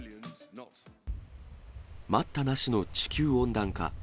待ったなしの地球温暖化。